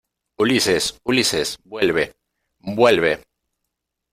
¡ Ulises! ¡ Ulises, vuelve !¡ vuelve !